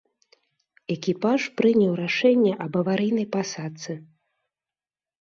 Экіпаж прыняў рашэнне аб аварыйнай пасадцы.